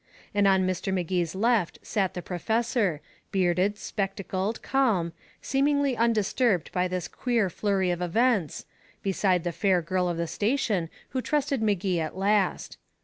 And on Mr. Magee's left sat the professor, bearded, spectacled, calm, seemingly undisturbed by this queer flurry of events, beside the fair girl of the station who trusted Magee at last.